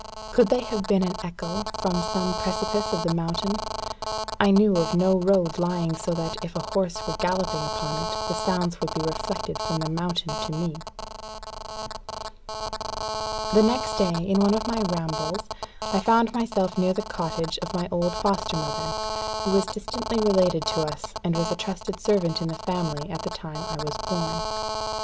Could they have been an echo from some precipice of the mountain? I knew of no road lying so that, if a horse were galloping upon it, the sounds would be reflected from the mountain to me. The next day, in one of my rambles, I found myself near the cottage of my old foster mother, who was distantly related to us, and was a trusted servant in the family at the time I was born.